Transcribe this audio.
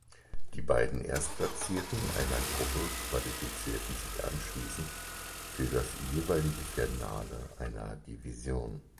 Die beiden erstplatzierten einer Gruppe qualifizierten sich anschließend für das jeweilige Finale einer Division.